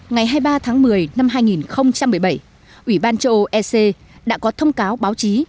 ngày hai mươi ba tháng một mươi năm hai nghìn một mươi bảy ủy ban châu âu ec đã có thông cáo báo chí